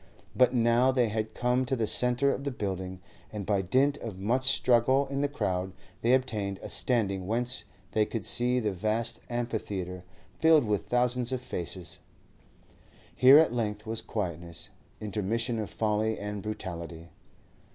But now they had come to the centre of the building, and by dint of much struggle in the crowd they obtained a standing whence they could see the vast amphitheatre, filled with thousands of faces. Here at length was quietness, intermission of folly and brutality.